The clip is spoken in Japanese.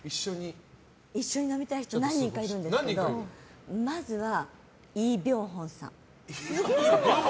一緒に飲みたい人何人かいるんですけどまずは、イ・ビョンホンさん。